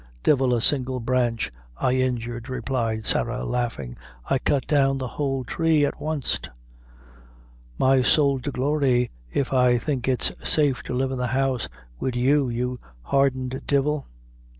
"Divil a single branch I injured," replied Sarah, laughing; "I cut down the whole tree at wanst." "My sowl to glory, if I think its safe to live in the house wid you, you hardened divil."